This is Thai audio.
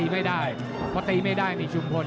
ไม่ได้เพราะตีไม่ได้นี่ชุมพล